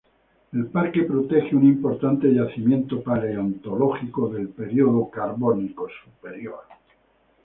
El parque protege un importante yacimiento paleontológico del período carbónico superior.